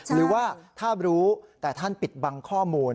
หรือว่าถ้ารู้แต่ท่านปิดบังข้อมูล